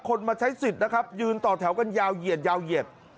คนมาใช้สิทธิ์นะครับยืนต่อแถวกันยาวเหยียด